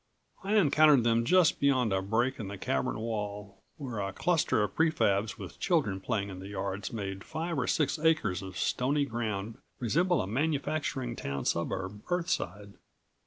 I encountered them just beyond a break in the cavern wall, where a cluster of pre fabs with children playing in the yards made five or six acres of stony ground resemble a manufacturing town suburb Earthside.